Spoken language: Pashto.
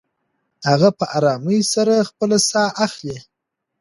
هغه په ارامۍ سره خپله ساه اخلې.